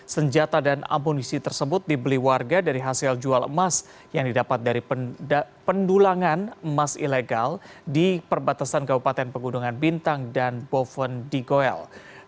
senjata dan amunisi tersebut dibeli warga dari hasil jual emas yang didapat dari pendulangan emas ilegal di perbatasan kabupaten pegunungan bintang dan boven di goel